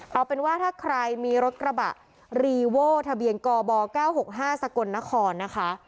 เอาเป็นว่าถ้าใครมีรถกระบะรีโว่ทะเบียนกบ๙๖๕สกลนครนะคะ